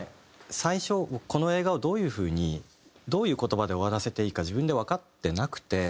最初この映画をどういう風にどういう言葉で終わらせていいか自分でわかってなくて。